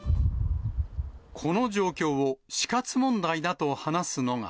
この状況を死活問題だと話すのが。